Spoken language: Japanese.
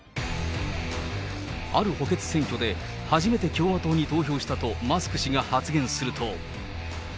ある補欠選挙で初めて共和党に投票したとマスク氏が発言すると。